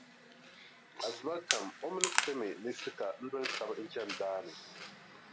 Asiba kam o mini Femi ni Sika n-doli taba n-chani daa ni.